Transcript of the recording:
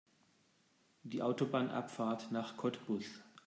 Die Autobahnabfahrt nach Cottbus